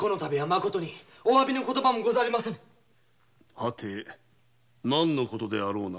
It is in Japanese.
はて何の事であろうな。